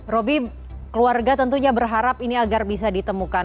roby keluarga tentunya berharap ini agar bisa ditemukan